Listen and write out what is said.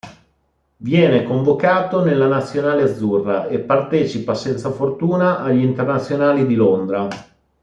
Viene convocato nella nazionale azzurra e partecipa senza fortuna agli internazionali di Londra.